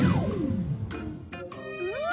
うん！